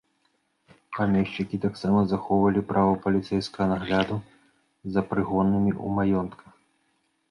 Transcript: Памешчыкі таксама захоўвалі права паліцэйскага нагляду за прыгоннымі ў маёнтках.